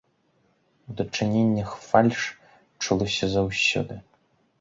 У дачыненнях фальш чулася заўсёды.